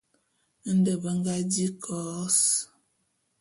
Nde be nga di kos.